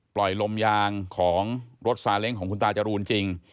ลมยางของรถซาเล้งของคุณตาจรูนจริง